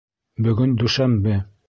Бөгөн дүшәмбе.